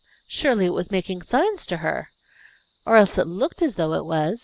Surely it was making signs to her! Or else it looked as though it was.